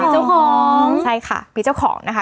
เจ้าของใช่ค่ะมีเจ้าของนะคะ